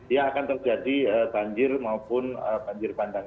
ya akan terjadi banjir maupun banjir bandang